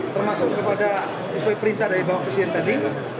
termasuk kepada sesuai perintah dari bapak presiden tadi